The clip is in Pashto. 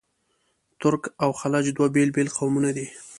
ترک او خلج دوه بېل بېل قومونه دي.